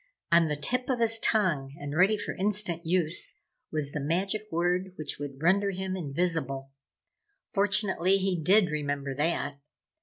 On the tip of his tongue and ready for instant use was the magic word which would render him invisible. Fortunately he did remember that.